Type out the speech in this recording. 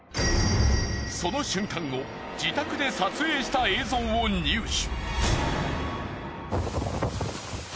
その瞬間を自宅で撮影した映像を入手！